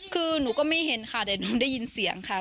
คือหนูก็ไม่เห็นค่ะแต่หนูได้ยินเสียงค่ะ